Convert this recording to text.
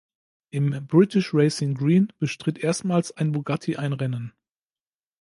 Im British Racing Green bestritt erstmals ein Bugatti ein Rennen.